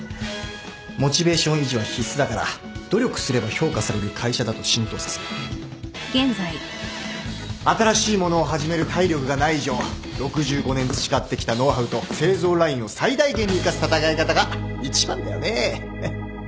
モチベーション維持は必須だから努力すれば評価される会社だと浸透させる新しいものを始める体力がない以上６５年培ってきたノウハウと製造ラインを最大限に生かす戦い方が一番だよね。